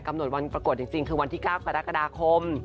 หดวันประกวดจริงคือวันที่๙กรกฎาคม